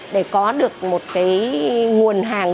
để có được một nguồn hàng